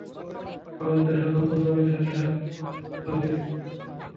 আমার উদ্দেশ্য নতুন নবীর সাথে সাক্ষাৎ করা এবং তাঁর কিছু কথা শোনা।